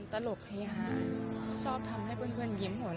เขาเป็นคนที่ตลกเฮฮาชอบทำให้เพื่อนยิ้มหัวหล่อ